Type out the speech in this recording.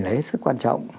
là hết sức quan trọng